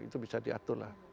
itu bisa diatur lah